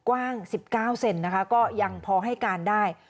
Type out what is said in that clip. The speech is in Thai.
กว้าง๑๙เซนนะคะก็ยังพอให้การได้